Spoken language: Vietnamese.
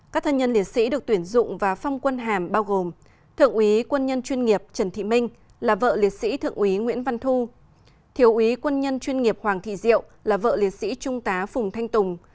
các thân nhân liệt sĩ được tuyển dụng và phong quân hàm bao gồm thượng úy quân nhân chuyên nghiệp trần thị minh là vợ liệt sĩ thượng úy nguyễn văn thu thiếu úy quân nhân chuyên nghiệp hoàng thị diệu là vợ liệt sĩ trung tá phùng thanh tùng